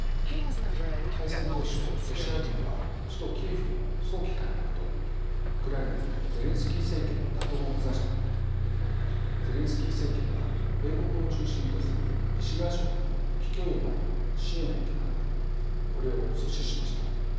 開戦当初ロシア軍は首都キーウの早期陥落とウクライナのゼレンスキー政権の打倒を目指したもののゼレンスキー政権は米国を中心とする西側諸国の武器供与などの支援を受けながらこれを阻止しました。